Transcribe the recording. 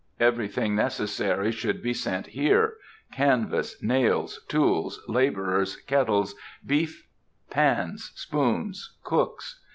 Everything necessary should be sent here; canvas, nails, tools, laborers, kettles, beef, pans, spoons, cooks.